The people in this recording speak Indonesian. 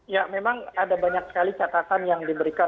ya memang ada banyak sekali catatan yang diberikan